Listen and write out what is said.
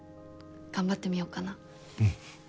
頑張ってみようかな。